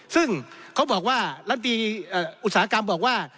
ซึ่งเขาบอกว่ารัฐดีอุตสาหกรรมบอกว่า